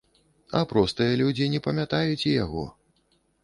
А простыя людзі не памятаюць і яго.